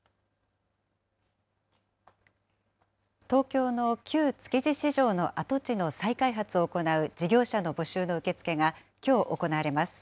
東京の旧築地市場の跡地の再開発を行う事業者の募集の受け付けがきょう行われます。